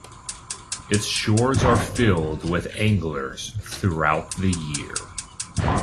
Its shores are filled with anglers throughout the year.